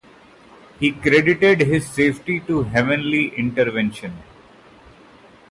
He credited his safety to heavenly intervention.